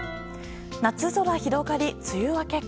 夏空広がり、梅雨明けか。